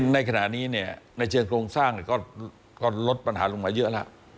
ในขณะนี้ในเชิงโครงสร้างก็ลดปัญหาลงมาเยอะแล้ว